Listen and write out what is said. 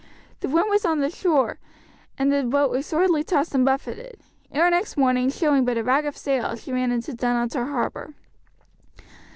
The wind was on the shore, and the boat was sorely tossed and buffeted. Ere next morning, showing but a rag of sail, she ran into Dunottar harbour.